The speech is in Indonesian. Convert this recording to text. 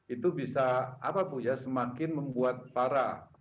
itu bisa semakin membuat para